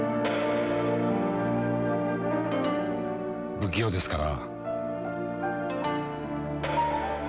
不器用ですから。